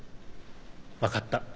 分かった。